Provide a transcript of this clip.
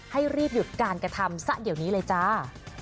ให้รีบหยุดการกระทำซะเดี๋ยวนี้เลยจ้า